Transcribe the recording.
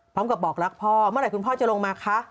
บอกรักพ่อเมื่อไหร่คุณพ่อจะลงมาคะ